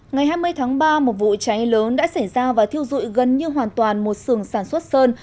ngày hai mươi tháng ba một vụ cháy lớn đã xảy ra và thiêu dụi gần như hoàn toàn một sườn sản xuất sơn